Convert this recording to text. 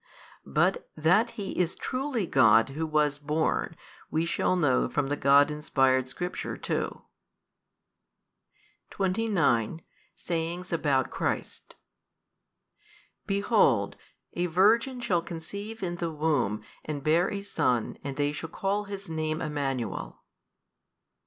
But that He is truly God Who was born, we shall know from the God inspired Scripture too. 29. Sayings about Christ. Behold a Virgin shall conceive in the womb and bear a Son and they shall call His Name Emmanuel.